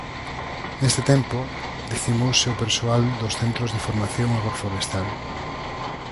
Neste tempo, decimouse o persoal dos Centros de Formación Agroforestal.